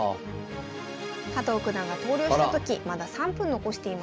加藤九段が投了した時まだ３分残していました。